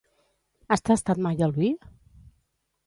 Has tastat mai el vi?